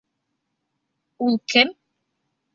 Ул кем?